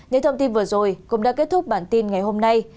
những thông tin vừa rồi cũng đã kết thúc bản tin ngày hôm nay